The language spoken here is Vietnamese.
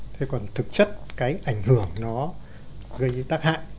thế còn thực chất cái ảnh hưởng nó gây những tác hại